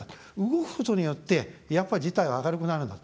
動くことによってやっぱり、事態は明るくなるんだ。